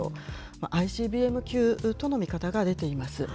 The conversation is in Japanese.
ＩＣＢＭ級との見方が出ています。